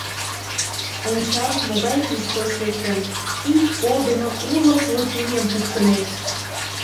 — Ончал, могай Христос лектын, ик кол дене уло флотилийым пукшынет!